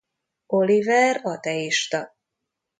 Oliver ateista.